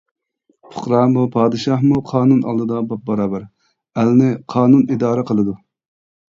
پۇقرامۇ، پادىشاھمۇ قانۇن ئالدىدا باپباراۋەر، ئەلنى قانۇن ئىدارە قىلىدۇ.